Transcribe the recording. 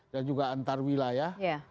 dan juga antar wilayah